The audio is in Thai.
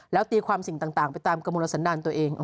แล้วตีความสิ่งต่างไปตามกระมวลสันดาลตัวเอง